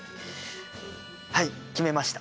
はい決めました。